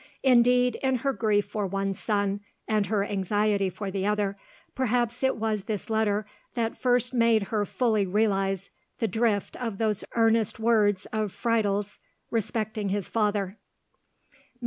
Indeed, in her grief for one son, and her anxiety for the other, perhaps it was this letter that first made her fully realize the drift of those earnest words of Friedel's respecting his father.